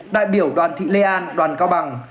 đại biểu đoàn thị lê an đoàn cao bằng